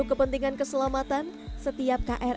sini tengah stasiun ga